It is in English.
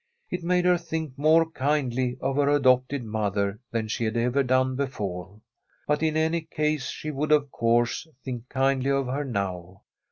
It made her think more kindly of her adopted mother than she had ever done before. But in any case she would, of course, think kindly of her now.